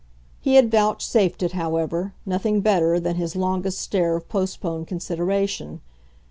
He had vouchsafed it, however, nothing better than his longest stare of postponed consideration.